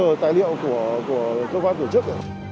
đó là tài liệu của cơ quan tổ chức